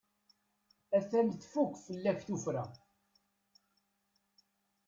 A-t-an tfukk fell-ak tuffra.